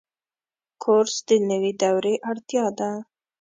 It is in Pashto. کورس د نوي دورې اړتیا ده.